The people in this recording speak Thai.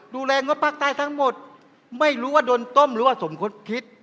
ดูแลงกฎภักดิ์ใต้ทั้งหมดไม่รู้ว่าโดนต้มหรือว่าสมครบคิด